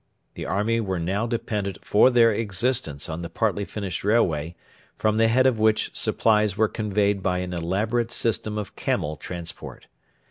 The army were now dependent for their existence on the partly finished railway, from the head of which supplies were conveyed by an elaborate system of camel transport.